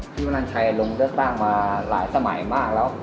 มนันชัยลงเลือกตั้งมาหลายสมัยมากแล้ว